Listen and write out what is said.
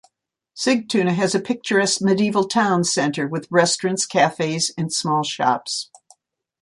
Sigtuna has a picturesque medieval town centre with restaurants, cafes and small shops.